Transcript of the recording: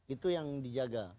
itu yang dijaga